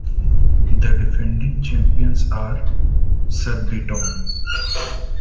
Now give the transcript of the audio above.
The defending champions are Surbiton.